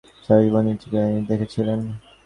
তিনি সারাজীবন নিজেকে নিয়োজিত রেখেছিলেন।